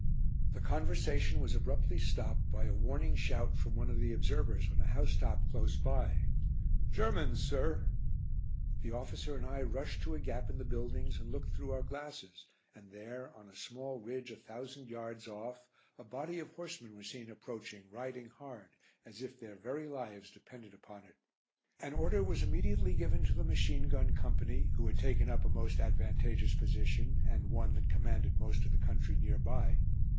The conversation was abruptly stopped by a warning shout from one of the observers on a house top close by. "Germans, sir." The officer and I rushed to a gap in the buildings and looked through our glasses, and there, on a small ridge a thousand yards off, a body of horsemen were seen approaching, riding hard, as if their very lives depended upon it. An order was immediately given to the machine gun company who had taken up a most advantageous position and one that commanded most of the country near by.